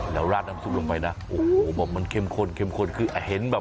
แล้วราดน้ำซุปลงไปนะโอ้โหบอกมันเข้มข้นเข้มข้นคือเห็นแบบ